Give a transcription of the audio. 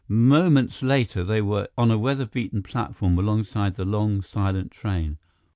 Moments later, they were on a weather beaten platform alongside the long, silent train.